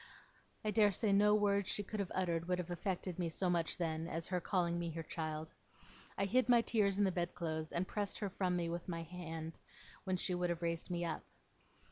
I dare say no words she could have uttered would have affected me so much, then, as her calling me her child. I hid my tears in the bedclothes, and pressed her from me with my hand, when she would have raised me up.